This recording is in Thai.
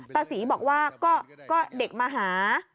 ตาศรีบอกว่าก็เด็กมาหา